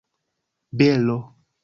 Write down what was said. belo